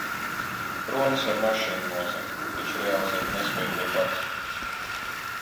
Kronis var mašīnu nozagt, taču realizēt nespēj to pats.